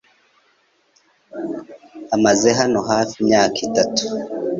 amaze hano hafi imyaka itatu.